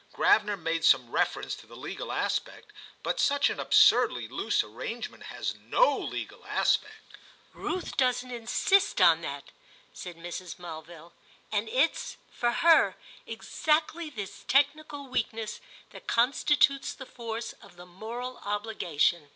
Gravener made some reference to the legal aspect, but such an absurdly loose arrangement has no legal aspect." "Ruth doesn't insist on that," said Mrs. Mulville; "and it's, for her, exactly this technical weakness that constitutes the force of the moral obligation."